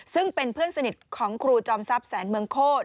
ซึ่งเป็นเพื่อนสนิทของครูจอมทรัพย์แสนเมืองโคตร